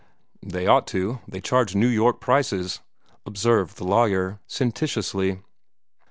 "They ought to; they charge New York prices," observed the lawyer, sententiously.